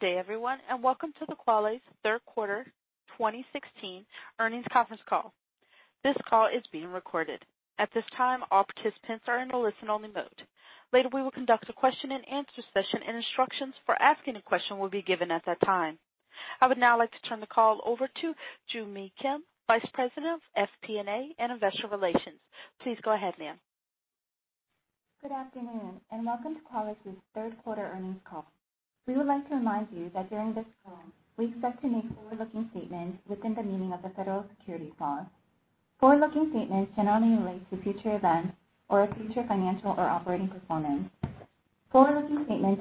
Good day, everyone, welcome to the Qualys third quarter 2016 earnings conference call. This call is being recorded. At this time, all participants are in a listen-only mode. Later, we will conduct a question and answer session, and instructions for asking a question will be given at that time. I would now like to turn the call over to Joo Mi Kim, Vice President of FP&A and Investor Relations. Please go ahead, ma'am. Good afternoon, welcome to Qualys' third quarter earnings call. We would like to remind you that during this call, we expect to make forward-looking statements within the meaning of the Federal Securities laws. Forward-looking statements in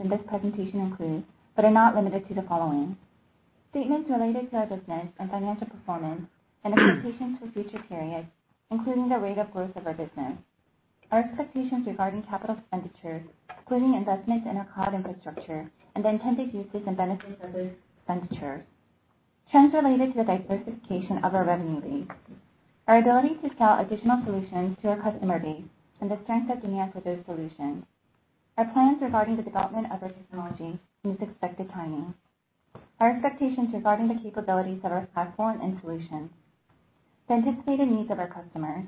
this presentation include, but are not limited to, the following. Statements related to our business and financial performance and expectations for future periods, including the rate of growth of our business. Our expectations regarding capital expenditures, including investments in our cloud infrastructure and the intended uses and benefits of those expenditures. Trends related to the diversification of our revenue base. Our ability to sell additional solutions to our customer base and the strength of demand for those solutions. Our plans regarding the development of our technology and its expected timing. Our expectations regarding the capabilities of our platform and solutions. The anticipated needs of our customers.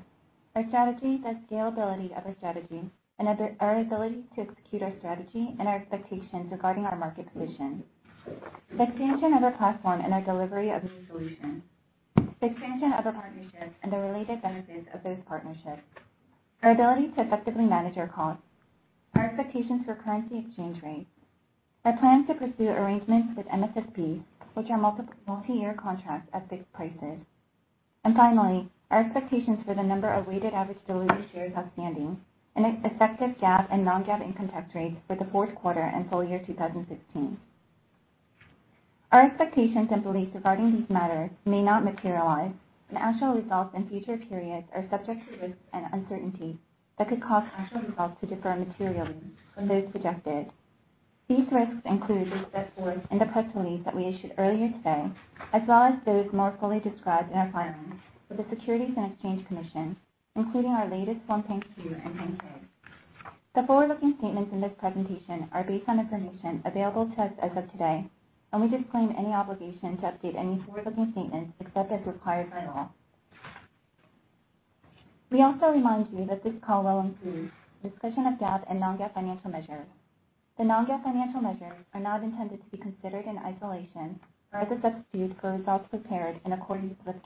Our strategy, the scalability of our strategy, our ability to execute our strategy and our expectations regarding our market position. The expansion of our platform and our delivery of new solutions. The expansion of our partnerships and the related benefits of those partnerships. Our ability to effectively manage our costs. Our expectations for currency exchange rates. Our plans to pursue arrangements with MSSP, which are multiyear contracts at fixed prices. Finally, our expectations for the number of weighted average diluted shares outstanding and effective GAAP and non-GAAP income tax rates for the fourth quarter and full year 2016. These risks include those set forth in the press release that we issued earlier today, as well as those more fully described in our filings with the Securities and Exchange Commission, including our latest Form 10-Q and 10-K. The forward-looking statements in this presentation are based on information available to us as of today, we disclaim any obligation to update any forward-looking statements except as required by law. We also remind you that this call will include discussion of GAAP and non-GAAP financial measures. The non-GAAP financial measures are not intended to be considered in isolation or as a substitute for results prepared in accordance with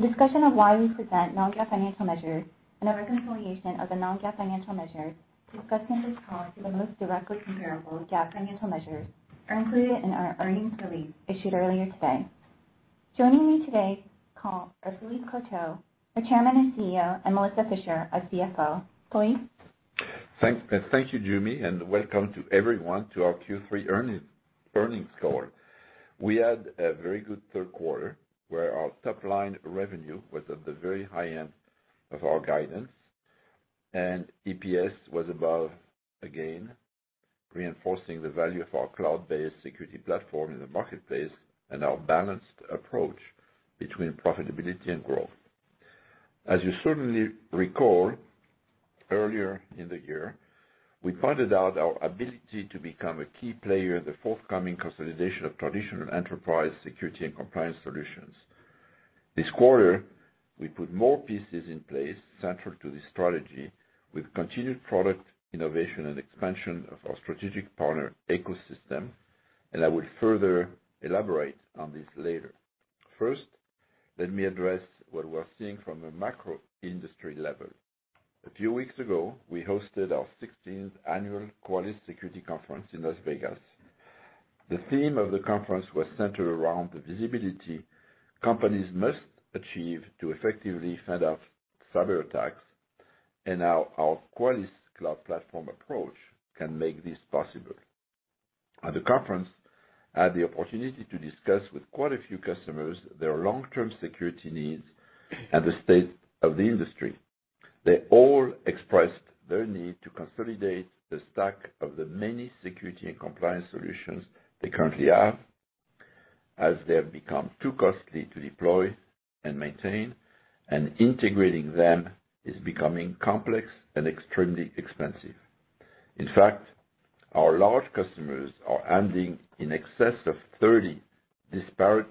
GAAP. Discussion of why we present non-GAAP financial measures and a reconciliation of the non-GAAP financial measures discussed in this call to the most directly comparable GAAP financial measures are included in our earnings release issued earlier today. Joining me today on the call are Philippe Courtot, the Chairman and CEO, and Melissa Fisher, our CFO. Philippe? Thank you, Joo Mi, and welcome to everyone to our Q3 earnings call. We had a very good third quarter, where our top-line revenue was at the very high end of our guidance, and EPS was above, again, reinforcing the value of our cloud-based security platform in the marketplace and our balanced approach between profitability and growth. As you certainly recall, earlier in the year, we pointed out our ability to become a key player in the forthcoming consolidation of traditional enterprise security and compliance solutions. This quarter, we put more pieces in place central to this strategy with continued product innovation and expansion of our strategic partner ecosystem. I will further elaborate on this later. First, let me address what we're seeing from a macro industry level. A few weeks ago, we hosted our 16th annual Qualys Security Conference in Las Vegas. The theme of the conference was centered around the visibility companies must achieve to effectively fend off cyberattacks and how our Qualys cloud platform approach can make this possible. At the conference, I had the opportunity to discuss with quite a few customers their long-term security needs and the state of the industry. They all expressed their need to consolidate the stack of the many security and compliance solutions they currently have, as they have become too costly to deploy and maintain. Integrating them is becoming complex and extremely expensive. In fact, our large customers are handling in excess of 30 disparate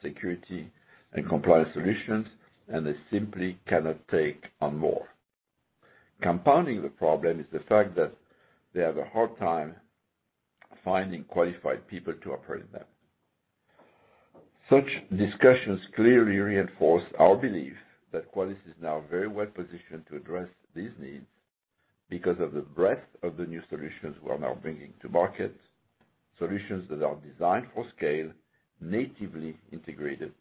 security and compliance solutions. They simply cannot take on more. Compounding the problem is the fact that they have a hard time finding qualified people to operate them. Such discussions clearly reinforce our belief that Qualys is now very well-positioned to address these needs because of the breadth of the new solutions we are now bringing to market, solutions that are designed for scale, natively integrated,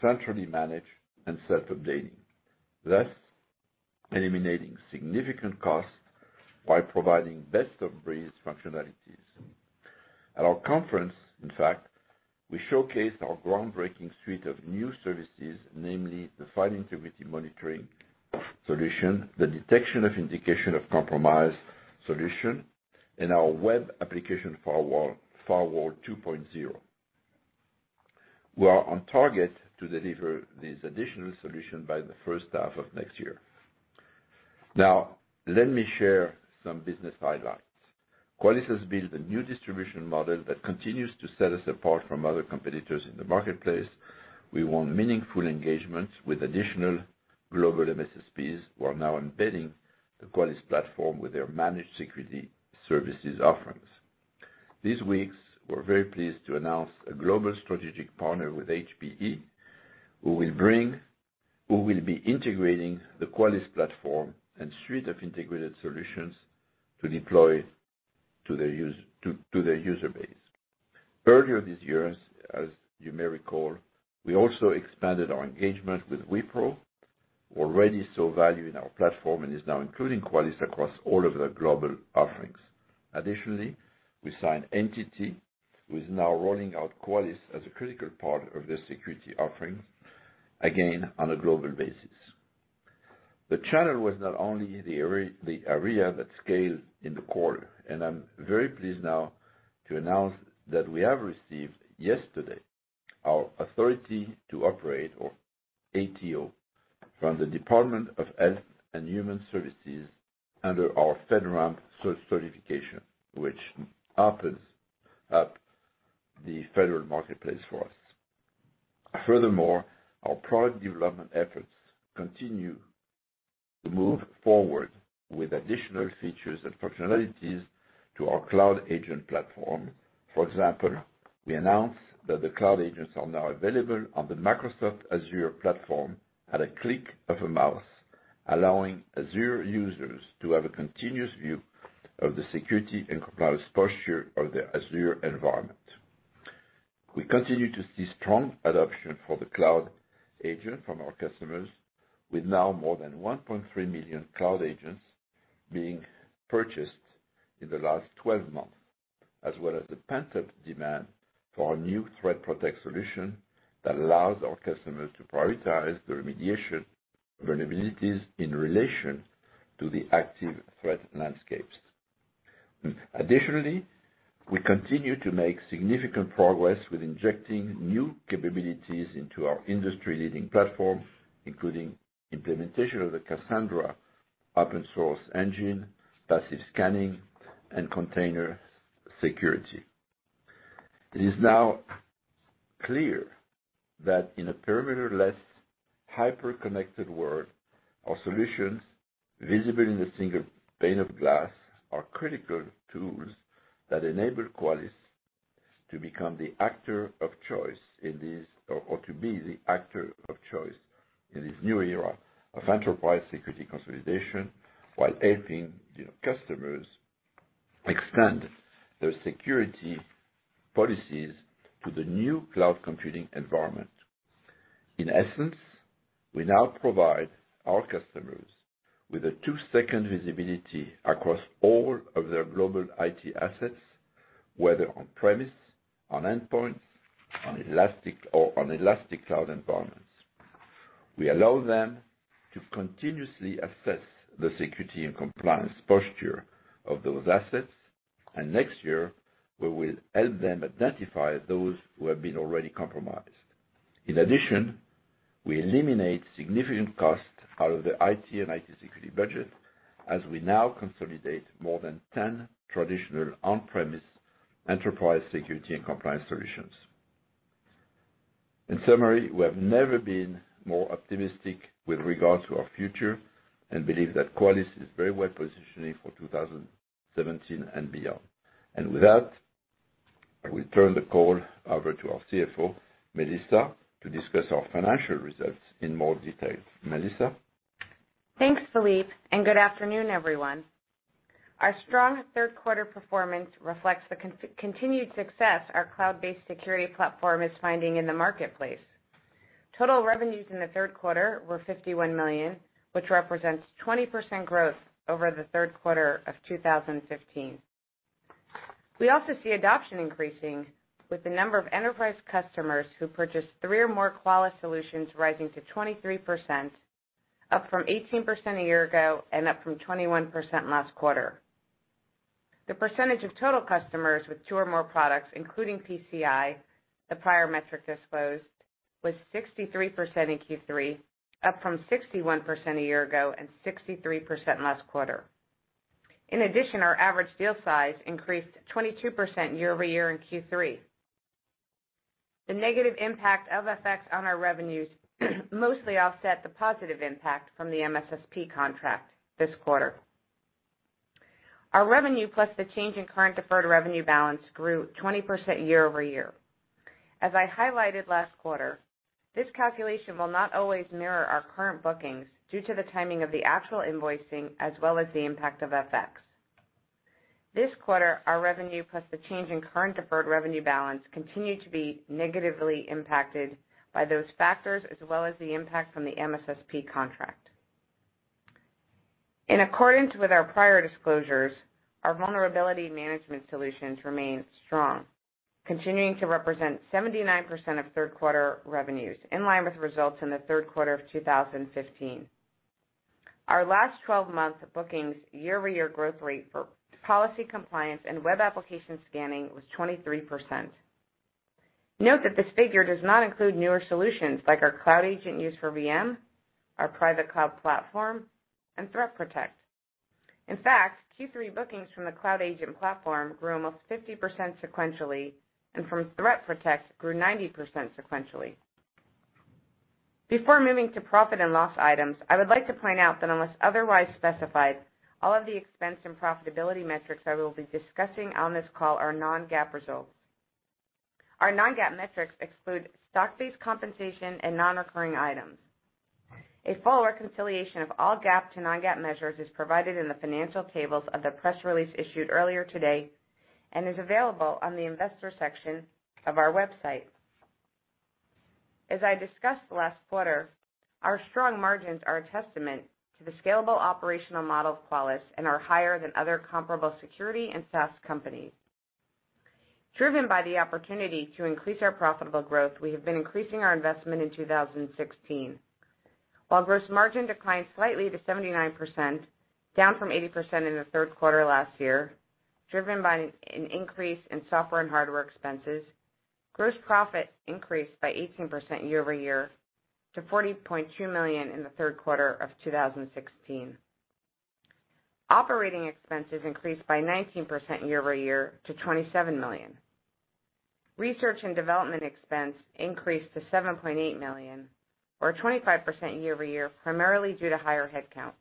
centrally managed, and self-updating, thus eliminating significant costs while providing best-of-breed functionalities. At our conference, in fact, we showcased our groundbreaking suite of new services, namely the File Integrity Monitoring solution, the detection of Indication of Compromise solution, and our Web Application Firewall 2.0. We are on target to deliver this additional solution by the first half of next year. Now, let me share some business highlights. Qualys has built a new distribution model that continues to set us apart from other competitors in the marketplace. We want meaningful engagements with additional global MSSPs who are now embedding the Qualys platform with their managed security services offerings. This week, we're very pleased to announce a global strategic partner with HPE, who will be integrating the Qualys platform and suite of integrated solutions to deploy to their user base. Earlier this year, as you may recall, we also expanded our engagement with Wipro, who already saw value in our platform and is now including Qualys across all of their global offerings. We signed NTT, who is now rolling out Qualys as a critical part of their security offerings, again, on a global basis. The channel was not only the area that scaled in the quarter. I'm very pleased now to announce that we have received yesterday our Authority to Operate, or ATO, from the Department of Health and Human Services under our FedRAMP certification, which opens up the federal marketplace for us. Our product development efforts continue to move forward with additional features and functionalities to our Cloud Agent platform. For example, we announced that the Cloud Agents are now available on the Microsoft Azure platform at a click of a mouse, allowing Azure users to have a continuous view of the security and compliance posture of their Azure environment. We continue to see strong adoption for the Cloud Agent from our customers, with now more than 1.3 million Cloud Agents being purchased in the last 12 months, as well as the pent-up demand for our new ThreatPROTECT solution that allows our customers to prioritize the remediation vulnerabilities in relation to the active threat landscapes. We continue to make significant progress with injecting new capabilities into our industry-leading platform, including implementation of the Cassandra open source engine, passive scanning, and container security. It is now clear that in a perimeter-less, hyper-connected world, our solutions visible in a single pane of glass are critical tools that enable Qualys to become the actor of choice in this, or to be the actor of choice in this new era of enterprise security consolidation, while helping customers expand their security policies to the new cloud computing environment. We now provide our customers with a two-second visibility across all of their global IT assets, whether on-premise, on endpoints, or on elastic cloud environments. We allow them to continuously assess the security and compliance posture of those assets. Next year, we will help them identify those who have been already compromised. We eliminate significant costs out of the IT and IT security budget as we now consolidate more than 10 traditional on-premise enterprise security and compliance solutions. We have never been more optimistic with regards to our future and believe that Qualys is very well-positioned for 2017 and beyond. With that, I will turn the call over to our CFO, Melissa, to discuss our financial results in more detail. Melissa? Thanks, Philippe, and good afternoon, everyone. Our strong third quarter performance reflects the continued success our cloud-based security platform is finding in the marketplace. Total revenues in the third quarter were $51 million, which represents 20% growth over the third quarter of 2015. We also see adoption increasing with the number of enterprise customers who purchase three or more Qualys solutions rising to 23%, up from 18% a year ago and up from 21% last quarter. The percentage of total customers with two or more products, including PCI, the prior metric disclosed, was 63% in Q3, up from 61% a year ago and 63% last quarter. In addition, our average deal size increased 22% year-over-year in Q3. The negative impact of FX on our revenues mostly offset the positive impact from the MSSP contract this quarter. Our revenue plus the change in current deferred revenue balance grew 20% year-over-year. As I highlighted last quarter, this calculation will not always mirror our current bookings due to the timing of the actual invoicing as well as the impact of FX. This quarter, our revenue plus the change in current deferred revenue balance continued to be negatively impacted by those factors as well as the impact from the MSSP contract. In accordance with our prior disclosures, our vulnerability management solutions remain strong, continuing to represent 79% of third quarter revenues, in line with results in the third quarter of 2015. Our last 12 months of bookings year-over-year growth rate for Policy Compliance and Web Application Scanning was 23%. Note that this figure does not include newer solutions like our Cloud Agent used for VM, our Private Cloud Platform, and ThreatPROTECT. In fact, Q3 bookings from the Cloud Agent platform grew almost 50% sequentially, and from ThreatPROTECT grew 90% sequentially. Before moving to profit and loss items, I would like to point out that unless otherwise specified, all of the expense and profitability metrics I will be discussing on this call are non-GAAP results. Our non-GAAP metrics exclude stock-based compensation and non-recurring items. A full reconciliation of all GAAP to non-GAAP measures is provided in the financial tables of the press release issued earlier today and is available on the investor section of our website. As I discussed last quarter, our strong margins are a testament to the scalable operational model of Qualys and are higher than other comparable security and SaaS companies. Driven by the opportunity to increase our profitable growth, we have been increasing our investment in 2016. While gross margin declined slightly to 79%, down from 80% in the third quarter last year, driven by an increase in software and hardware expenses, gross profit increased by 18% year-over-year to $40.2 million in the third quarter of 2016. Operating expenses increased by 19% year-over-year to $27 million. R&D expense increased to $7.8 million or 25% year-over-year, primarily due to higher headcount.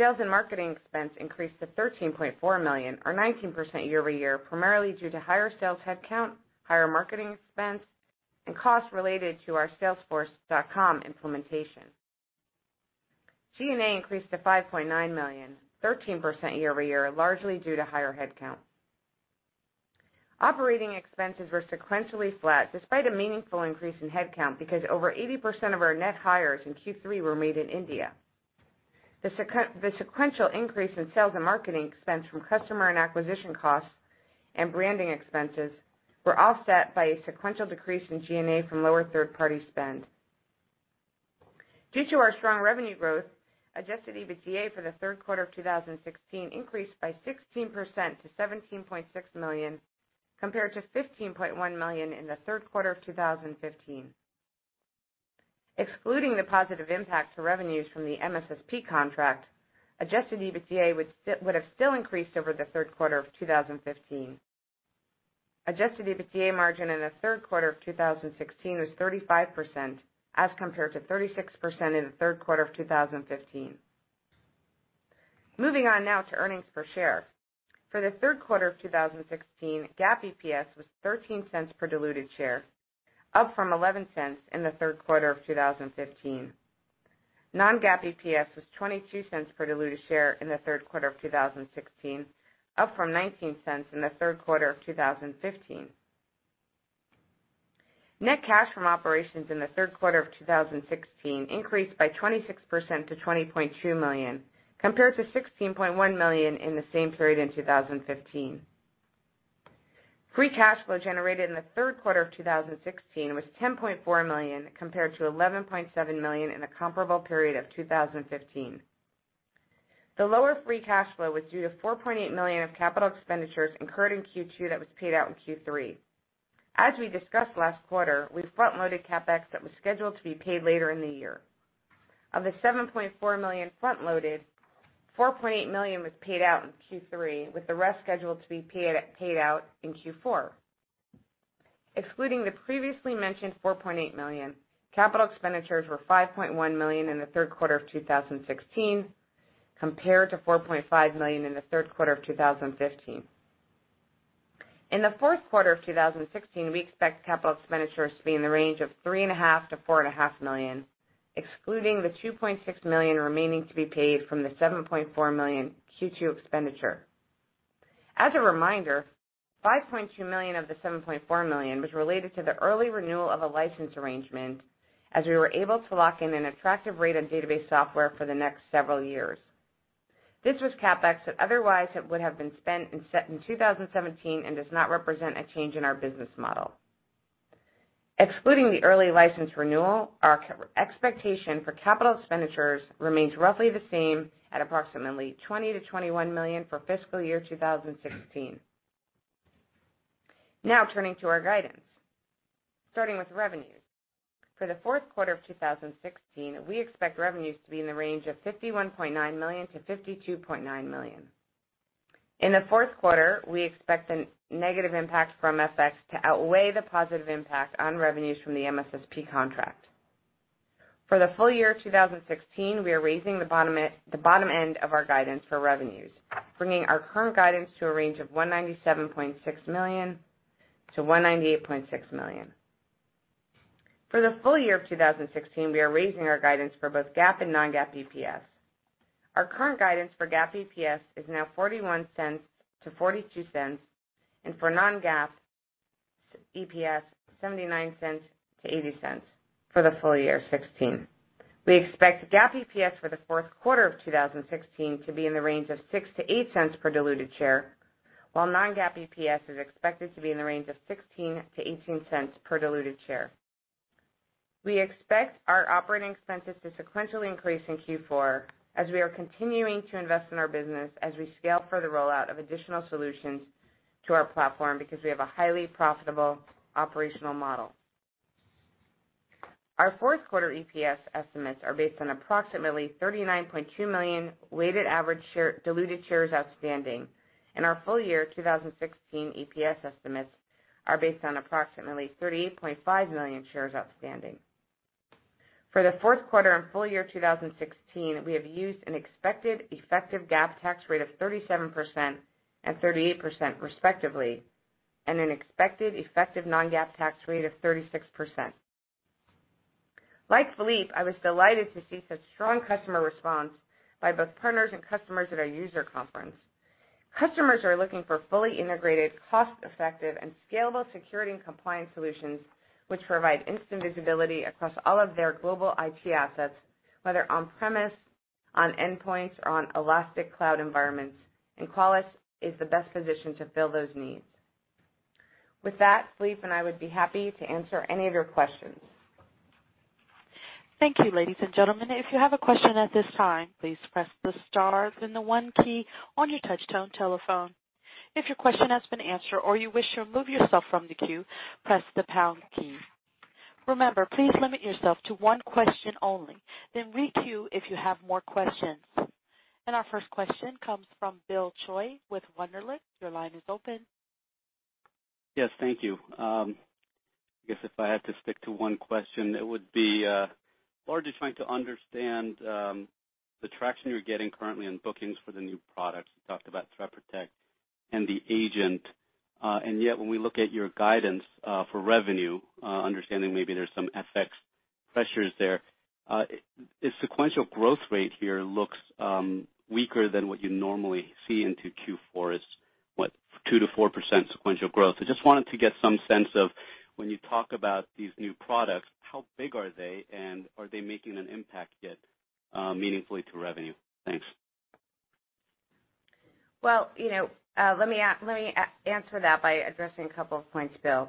Sales and marketing expense increased to $13.4 million or 19% year-over-year, primarily due to higher sales headcount, higher marketing expense, and costs related to our salesforce.com implementation. G&A increased to $5.9 million, 13% year-over-year, largely due to higher headcount. Operating expenses were sequentially flat despite a meaningful increase in headcount because over 80% of our net hires in Q3 were made in India. The sequential increase in sales and marketing expense from customer and acquisition costs and branding expenses were offset by a sequential decrease in G&A from lower third-party spend. Due to our strong revenue growth, adjusted EBITDA for the third quarter of 2016 increased by 16% to $17.6 million, compared to $15.1 million in the third quarter of 2015. Excluding the positive impact to revenues from the MSSP contract, adjusted EBITDA would have still increased over the third quarter of 2015. Adjusted EBITDA margin in the third quarter of 2016 was 35%, as compared to 36% in the third quarter of 2015. Moving on now to earnings per share. For the third quarter of 2016, GAAP EPS was $0.13 per diluted share, up from $0.11 in the third quarter of 2015. Non-GAAP EPS was $0.22 per diluted share in the third quarter of 2016, up from $0.19 in the third quarter of 2015. Net cash from operations in the third quarter of 2016 increased by 26% to $20.2 million, compared to $16.1 million in the same period in 2015. Free cash flow generated in the third quarter of 2016 was $10.4 million, compared to $11.7 million in the comparable period of 2015. The lower free cash flow was due to $4.8 million of capital expenditures incurred in Q2 that was paid out in Q3. As we discussed last quarter, we front-loaded CapEx that was scheduled to be paid later in the year. Of the $7.4 million front-loaded, $4.8 million was paid out in Q3, with the rest scheduled to be paid out in Q4. Excluding the previously mentioned $4.8 million, capital expenditures were $5.1 million in the third quarter of 2016, compared to $4.5 million in the third quarter of 2015. In the fourth quarter of 2016, we expect capital expenditures to be in the range of $3.5 million-$4.5 million, excluding the $2.6 million remaining to be paid from the $7.4 million Q2 expenditure. As a reminder, $5.2 million of the $7.4 million was related to the early renewal of a license arrangement, as we were able to lock in an attractive rate on database software for the next several years. This was CapEx that otherwise would have been spent in 2017 and does not represent a change in our business model. Excluding the early license renewal, our expectation for capital expenditures remains roughly the same at approximately $20 million-$21 million for fiscal year 2016. Turning to our guidance, starting with revenues. For the fourth quarter of 2016, we expect revenues to be in the range of $51.9 million-$52.9 million. In the fourth quarter, we expect a negative impact from FX to outweigh the positive impact on revenues from the MSSP contract. For the full year of 2016, we are raising the bottom end of our guidance for revenues, bringing our current guidance to a range of $197.6 million-$198.6 million. For the full year of 2016, we are raising our guidance for both GAAP and non-GAAP EPS. Our current guidance for GAAP EPS is now $0.41-$0.42, and for non-GAAP EPS, $0.79-$0.80 for the full year of 2016. We expect GAAP EPS for the fourth quarter of 2016 to be in the range of $0.06-$0.08 per diluted share. While non-GAAP EPS is expected to be in the range of $0.16-$0.18 per diluted share. We expect our operating expenses to sequentially increase in Q4 as we are continuing to invest in our business as we scale for the rollout of additional solutions to our platform because we have a highly profitable operational model. Our fourth quarter EPS estimates are based on approximately 39.2 million weighted average diluted shares outstanding and our full year 2016 EPS estimates are based on approximately 38.5 million shares outstanding. For the fourth quarter and full year 2016, we have used an expected effective GAAP tax rate of 37% and 38% respectively, and an expected effective non-GAAP tax rate of 36%. Like Philippe, I was delighted to see such strong customer response by both partners and customers at our user conference. Customers are looking for fully integrated, cost-effective and scalable security and compliance solutions which provide instant visibility across all of their global IT assets, whether on-premise, on endpoints or on elastic cloud environments. Qualys is the best position to fill those needs. With that, Philippe and I would be happy to answer any of your questions. Thank you, ladies and gentlemen. If you have a question at this time, please press the star then the one key on your touch tone telephone. If your question has been answered or you wish to remove yourself from the queue, press the pound key. Remember, please limit yourself to one question only, then re-queue if you have more questions. Our first question comes from Bill Choi with Wunderlich. Your line is open. Yes, thank you. I guess if I had to stick to one question, it would be largely trying to understand the traction you're getting currently on bookings for the new products. You talked about ThreatPROTECT and the agent. Yet when we look at your guidance for revenue, understanding maybe there's some FX pressures there, the sequential growth rate here looks weaker than what you normally see into Q4. It's what, 2%-4% sequential growth. I just wanted to get some sense of when you talk about these new products, how big are they and are they making an impact yet meaningfully to revenue? Thanks. Let me answer that by addressing a couple of points, Bill.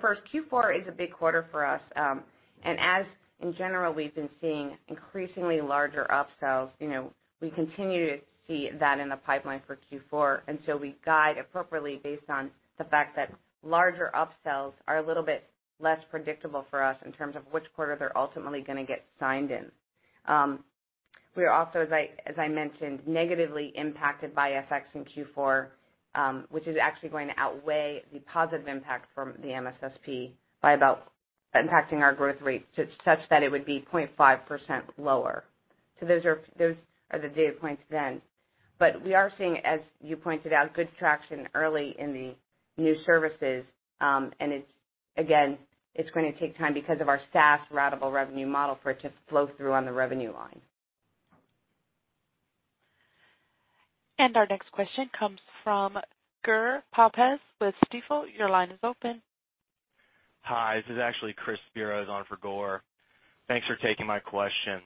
First, Q4 is a big quarter for us. As in general, we've been seeing increasingly larger up-sells. We continue to see that in the pipeline for Q4, we guide appropriately based on the fact that larger up-sells are a little bit less predictable for us in terms of which quarter they're ultimately going to get signed in. We are also, as I mentioned, negatively impacted by FX in Q4, which is actually going to outweigh the positive impact from the MSSP by about impacting our growth rates to such that it would be 0.5% lower. Those are the data points then. We are seeing, as you pointed out, good traction early in the new services. Again, it's going to take time because of our SaaS ratable revenue model for it to flow through on the revenue line. Our next question comes from Gur Talpaz with Stifel. Your line is open. Hi, this is actually Chris Spiros on for Gur. Thanks for taking my question.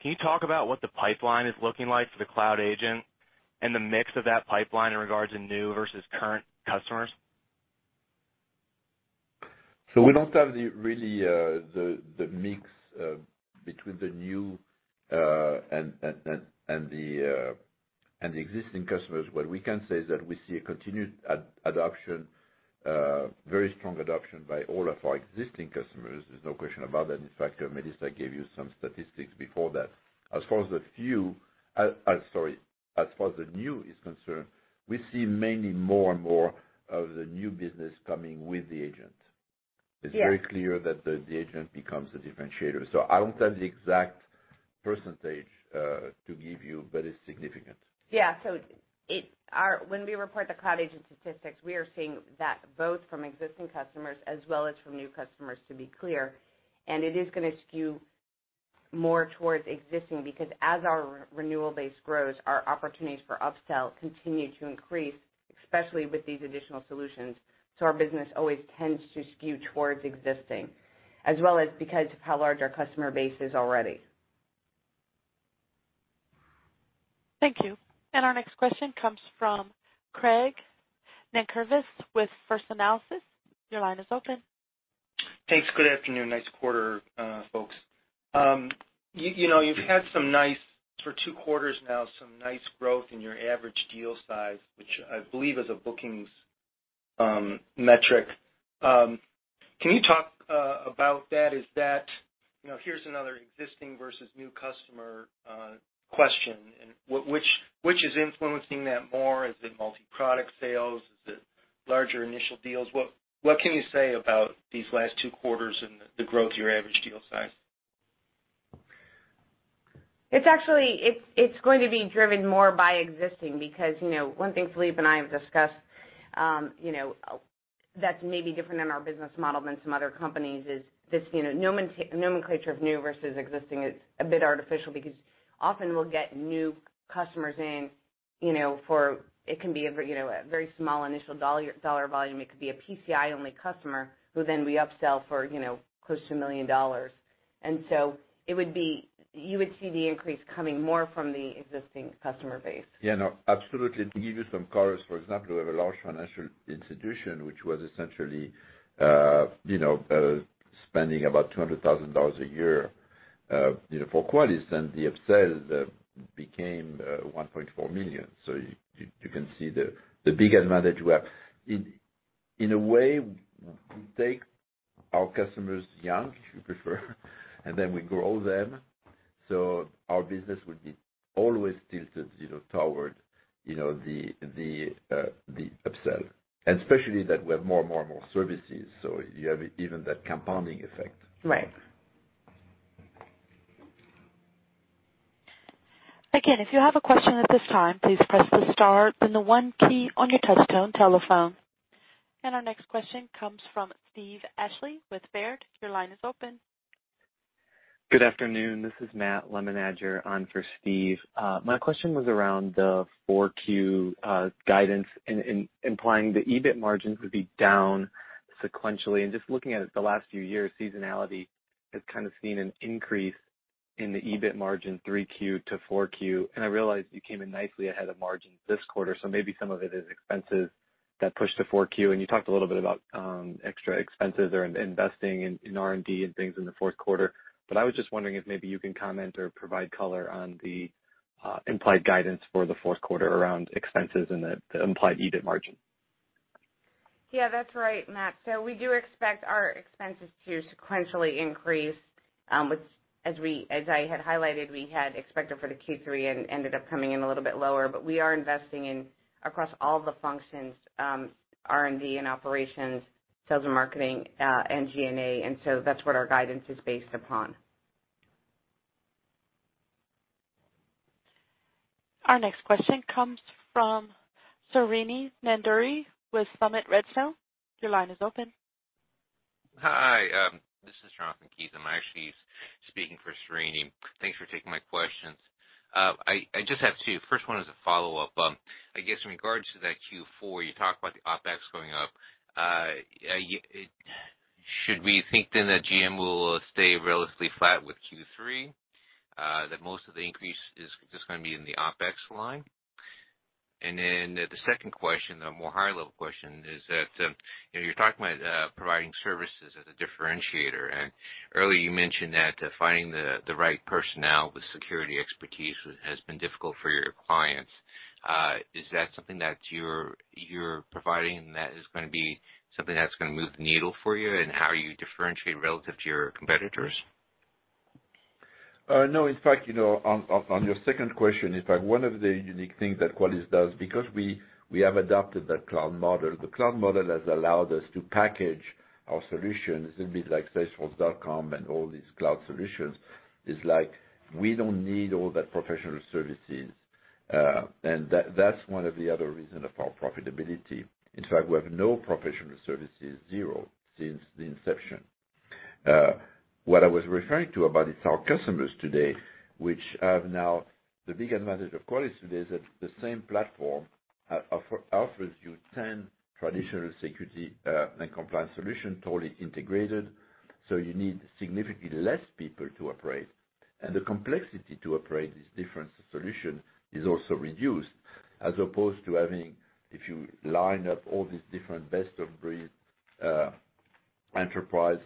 Can you talk about what the pipeline is looking like for the Cloud Agent and the mix of that pipeline in regards to new versus current customers? We don't have really the mix between the new and the existing customers. What we can say is that we see a continued adoption, very strong adoption by all of our existing customers. There's no question about that. In fact, Melissa gave you some statistics before that. As far as the new is concerned, we see mainly more and more of the new business coming with the agent. Yes. It's very clear that the agent becomes the differentiator. I don't have the exact percentage to give you, but it's significant. When we report the Cloud Agent statistics, we are seeing that both from existing customers as well as from new customers to be clear, and it is going to skew more towards existing because as our renewal base grows, our opportunities for up-sell continue to increase, especially with these additional solutions. Our business always tends to skew towards existing as well as because of how large our customer base is already. Thank you. Our next question comes from Craig Nankervis with First Analysis. Your line is open. Thanks. Good afternoon. Nice quarter, folks. You've had, for 2 quarters now, some nice growth in your average deal size, which I believe is a bookings metric. Can you talk about that? Here's another existing versus new customer question, which is influencing that more? Is it multi-product sales? Is it larger initial deals? What can you say about these last 2 quarters and the growth of your average deal size? It's going to be driven more by existing because one thing Philippe and I have discussed that's maybe different in our business model than some other companies is this nomenclature of new versus existing is a bit artificial because often we'll get new customers in. It can be a very small initial dollar volume. It could be a PCI-only customer who then we upsell for close to $1 million. You would see the increase coming more from the existing customer base. Yeah. No, absolutely. To give you some colors, for example, we have a large financial institution which was essentially spending about $200,000 a year for Qualys, and the upsells became $1.4 million. You can see the big advantage we have. In a way, we take our customers young, if you prefer, and then we grow them, our business would be always tilted toward the upsell. Especially that we have more and more services, you have even that compounding effect. Right. Again, if you have a question at this time, please press the star then the 1 key on your touchtone telephone. Our next question comes from Steve Ashley with Baird. Your line is open. Good afternoon. This is Matt Lemenager on for Steve Ashley. My question was around the 4Q guidance, implying the EBIT margins would be down sequentially. Just looking at it the last few years, seasonality has kind of seen an increase in the EBIT margin 3Q to 4Q. I realize you came in nicely ahead of margins this quarter, maybe some of it is expenses that pushed to 4Q. You talked a little bit about extra expenses or investing in R&D and things in the fourth quarter. I was just wondering if maybe you can comment or provide color on the implied guidance for the fourth quarter around expenses and the implied EBIT margin. Yeah, that's right, Matt. We do expect our expenses to sequentially increase, which as I had highlighted, we had expected for the Q3 and ended up coming in a little bit lower. We are investing across all the functions, R&D and operations, sales and marketing, and G&A. That's what our guidance is based upon. Our next question comes from Srini Nandury with Summit Redstone Partners. Your line is open. Hi, this is Jonathan Kees. I'm actually speaking for Srini Nandury. Thanks for taking my questions. I just have two. First one is a follow-up. I guess in regards to that Q4, you talked about the OpEx going up. Should we think that GM will stay relatively flat with Q3? That most of the increase is just going to be in the OpEx line? The second question, a more high-level question, is that you're talking about providing services as a differentiator, and earlier you mentioned that finding the right personnel with security expertise has been difficult for your clients. Is that something that you're providing that is going to be something that's going to move the needle for you in how you differentiate relative to your competitors? No. On your second question, one of the unique things that Qualys does, because we have adopted that cloud model, the cloud model has allowed us to package our solutions a bit like salesforce.com and all these cloud solutions, we don't need all that professional services. That's one of the other reason of our profitability. In fact, we have no professional services, zero, since the inception. What I was referring to about it is our customers today, which have now the big advantage of Qualys today, is that the same platform offers you 10 traditional security and compliance solution totally integrated. You need significantly less people to operate. The complexity to operate this different solution is also reduced, as opposed to having, if you line up all these different best-of-breed enterprise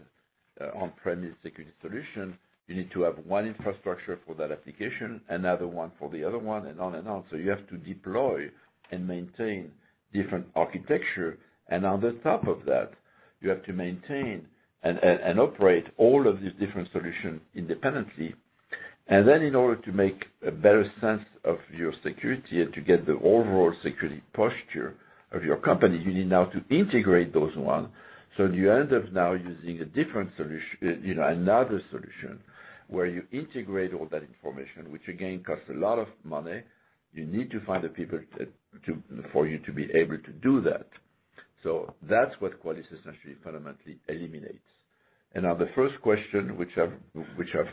on-premise security solutions, you need to have one infrastructure for that application, another one for the other one, and on and on. You have to deploy and maintain different architecture. On the top of that, you have to maintain and operate all of these different solutions independently. In order to make a better sense of your security and to get the overall security posture of your company, you need now to integrate those one. You end up now using another solution where you integrate all that information, which again costs a lot of money. You need to find the people for you to be able to do that. That's what Qualys essentially fundamentally eliminates. On the first question, which I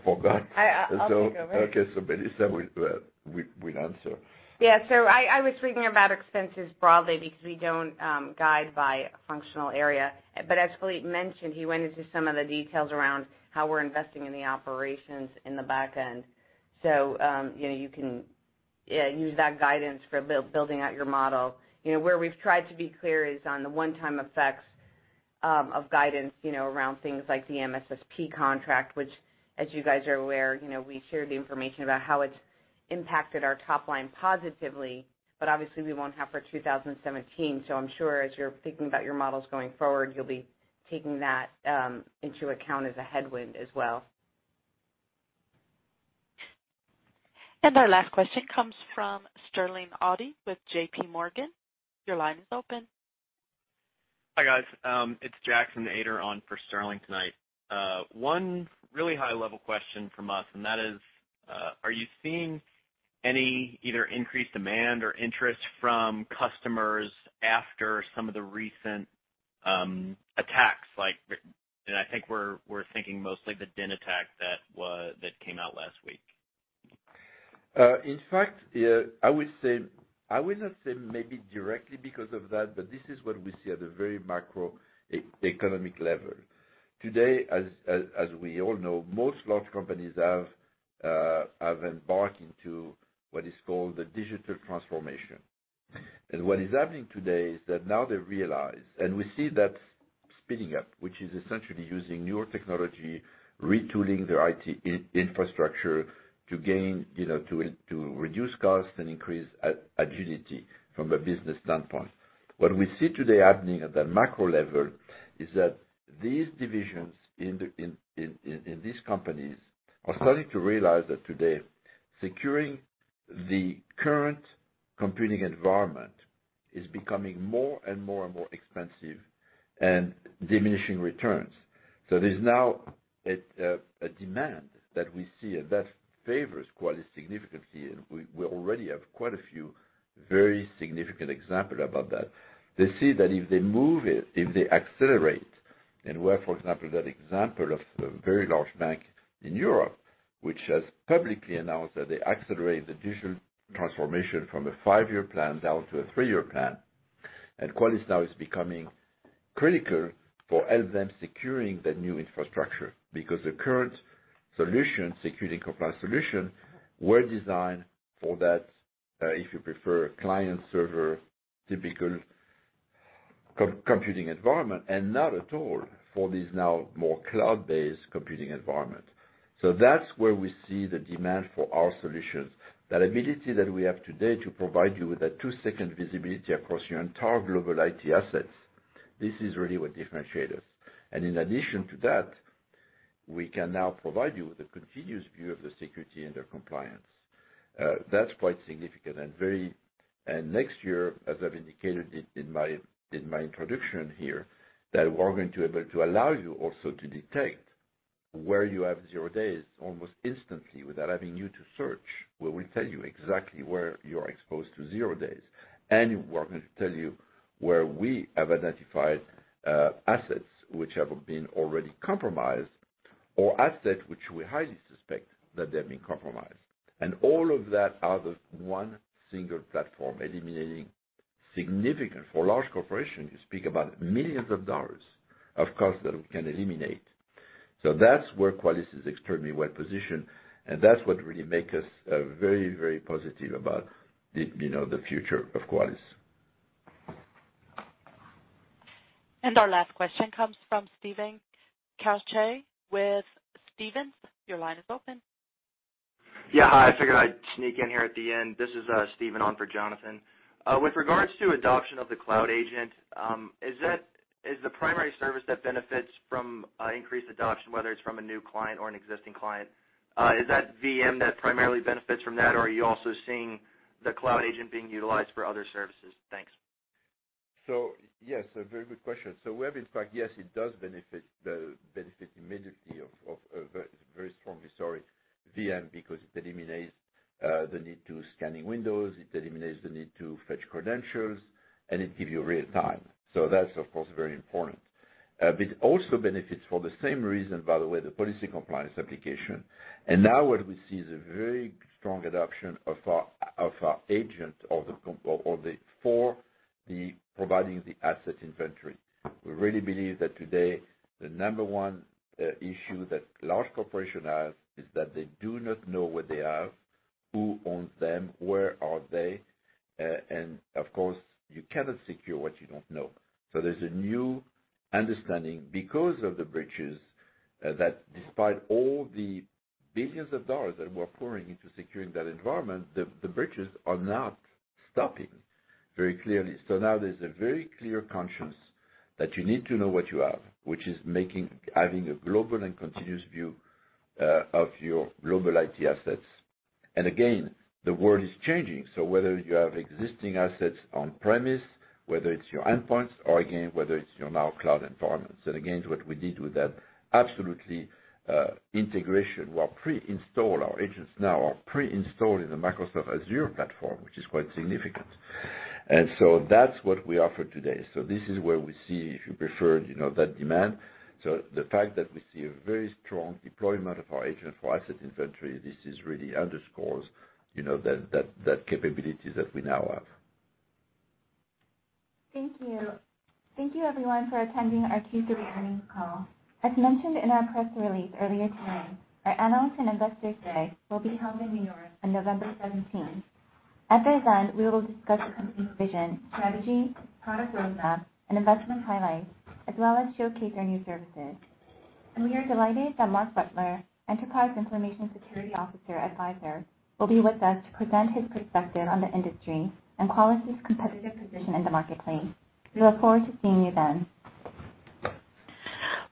forgot. I'll take over. Okay. Melissa will answer. Yeah. I was thinking about expenses broadly because we don't guide by functional area. As Philippe mentioned, he went into some of the details around how we're investing in the operations in the back end. You can use that guidance for building out your model. Where we've tried to be clear is on the one-time effects of guidance around things like the MSSP contract, which, as you guys are aware, we shared the information about how it's impacted our top line positively, but obviously, we won't have for 2017. I'm sure as you're thinking about your models going forward, you'll be taking that into account as a headwind as well. Our last question comes from Sterling Auty with JPMorgan. Your line is open. Hi, guys. It's Jackson Ader on for Sterling tonight. One really high-level question from us, that is, are you seeing any either increased demand or interest from customers after some of the recent attacks like. I think we're thinking mostly the Dyn attack that came out last week. In fact, I will not say maybe directly because of that, but this is what we see at a very macroeconomic level. Today, as we all know, most large companies have embarked into what is called the digital transformation. What is happening today is that now they realize, and we see that speeding up, which is essentially using newer technology, retooling their IT infrastructure to reduce costs and increase agility from a business standpoint. What we see today happening at the macro level is that these divisions in these companies are starting to realize that today, securing the current computing environment is becoming more and more and more expensive and diminishing returns. There's now a demand that we see, and that favors Qualys significantly, and we already have quite a few very significant example about that. They see that if they move it, if they accelerate and where, for example, that example of a very large bank in Europe, which has publicly announced that they accelerate the digital transformation from a five-year plan down to a three-year plan. Qualys now is becoming critical for helping them securing the new infrastructure because the current solution, security compliance solution, were designed for that, if you prefer, client-server typical computing environment and not at all for these now more cloud-based computing environment. That's where we see the demand for our solutions. That ability that we have today to provide you with a two-second visibility across your entire global IT assets, this is really what differentiate us. In addition to that, we can now provide you with a continuous view of the security and the compliance. That's quite significant and next year, as I've indicated in my introduction here, that we're going to able to allow you also to detect where you have zero days almost instantly without having you to search. We will tell you exactly where you're exposed to zero days, and we're going to tell you where we have identified assets which have been already compromised or assets which we highly suspect that they've been compromised. All of that out of one single platform, eliminating significant, for large corporation, you speak about millions of dollars of cost that we can eliminate. That's where Qualys is extremely well-positioned, and that's what really make us very, very positive about the future of Qualys. Our last question comes from Steven Carcetti with Stephens. Your line is open. Yeah. I figured I'd sneak in here at the end. This is Steven on for Jonathan. With regards to adoption of the Cloud Agent, is the primary service that benefits from increased adoption, whether it's from a new client or an existing client, is that VM that primarily benefits from that, or are you also seeing the Cloud Agent being utilized for other services? Thanks. Yes, a very good question. We have in fact, yes, it does benefit immediately, very strongly, VM because it eliminates the need to scanning Windows, it eliminates the need to fetch credentials, and it give you real time. That's, of course, very important. It also benefits for the same reason, by the way, the Policy Compliance application. Now what we see is a very strong adoption of our agent for providing the asset inventory. We really believe that today, the number 1 issue that large corporation has is that they do not know what they have, who owns them, where are they, and of course, you cannot secure what you don't know. There's a new understanding because of the breaches, that despite all the billions of dollars that we're pouring into securing that environment, the breaches are not stopping, very clearly. Now there's a very clear conscience that you need to know what you have, which is having a global and continuous view of your global IT assets. Again, the world is changing. Whether you have existing assets on-premise, whether it's your endpoints or again, whether it's your now cloud environments. Again, what we did with that, absolutely, integration. Our agents now are pre-installed in the Microsoft Azure platform, which is quite significant. That's what we offer today. This is where we see, if you prefer, that demand. The fact that we see a very strong deployment of our agent for asset inventory, this really underscores that capability that we now have. Thank you. Thank you everyone for attending our Q3 earnings call. As mentioned in our press release earlier today, our Analyst and Investor Day will be held in New York on November 17th. At the event, we will discuss the company's vision, strategy, product roadmap, and investment highlights, as well as showcase our new services. We are delighted that Mark Butler, Enterprise Information Security Officer at Pfizer, will be with us to present his perspective on the industry and Qualys' competitive position in the marketplace. We look forward to seeing you then.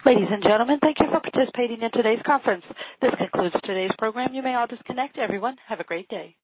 Ladies and gentlemen, thank you for participating in today's conference. This concludes today's program. You may all disconnect. Everyone, have a great day.